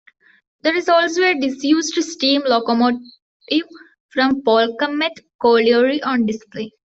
There is also a disused steam locomotive from Polkemmet Colliery on display.